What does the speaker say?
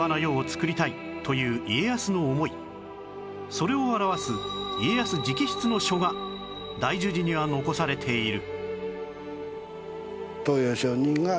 それを表す家康直筆の書が大樹寺には残されている